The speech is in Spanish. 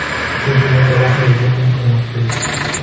Es el primer trabajo de Jamil como actriz.